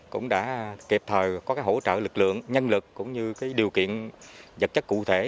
cũng đã kịp thời có hỗ trợ lực lượng nhân lực cũng như điều kiện vật chất cụ thể